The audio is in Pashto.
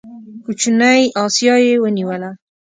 کوچنۍ اسیا یې ونیوله.